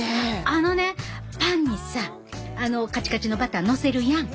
あのねパンにさかちかちのバターのせるやん。